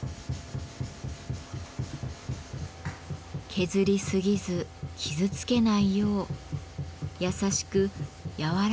削りすぎず傷つけないよう優しく柔らかく研いでいきます。